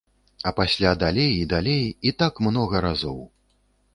А пасля далей і далей, і так многа разоў.